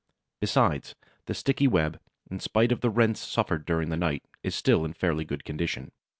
Besides, the sticky web, in spite of the rents suffered during the night, is still in fairly good condition.